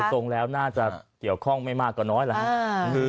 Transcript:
ตรงแล้วน่าจะเกี่ยวข้องไม่มากกว่าน้อยแล้วครับ